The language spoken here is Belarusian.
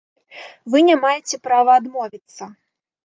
Вы не маеце права адмовіцца!